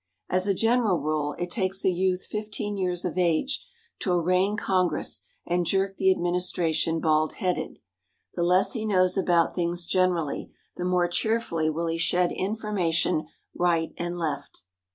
As a general rule, it takes a youth 15 years of age to arraign Congress and jerk the administration bald headed. The less he knows about things generally, the more cheerfully will he shed information right and left.